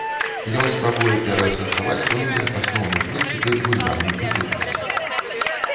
Ён спрабуе пераасэнсаваць пэўныя асноўныя прынцыпы вульгарнай культурнасці.